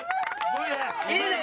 いいね